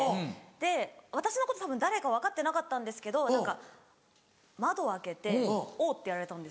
で私のことたぶん誰か分かってなかったんですけど窓開けて「おう」ってやられたんですよ。